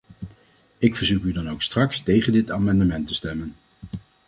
Ik verzoek u dan ook straks tegen dit amendement te stemmen.